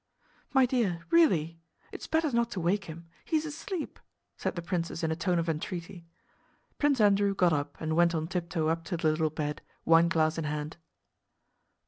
"My dear, really... it's better not to wake him... he's asleep," said the princess in a tone of entreaty. Prince Andrew got up and went on tiptoe up to the little bed, wineglass in hand.